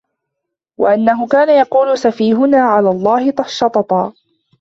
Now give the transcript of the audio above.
وَأَنَّهُ كَانَ يَقُولُ سَفِيهُنَا عَلَى اللَّهِ شَطَطًا